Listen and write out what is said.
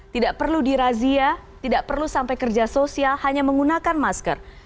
tidak perlu dirazia tidak perlu sampai kerja sosial hanya menggunakan masker